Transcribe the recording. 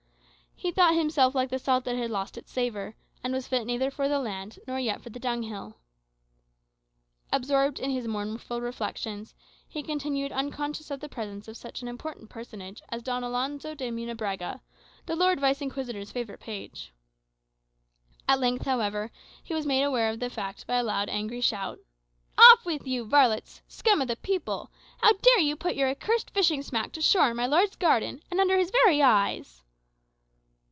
He thought himself like the salt that had lost its savour, and was fit neither for the land nor yet for the dunghill. Absorbed in his mournful reflections, he continued unconscious of the presence of such an important personage as Don Alonzo de Munebrãga, the Lord Vice Inquisitor's favourite page. At length, however, he was made aware of the fact by a loud angry shout, "Off with you, varlets, scum of the people! How dare you put your accursed fishing smack to shore in my lord's garden, and under his very eyes?"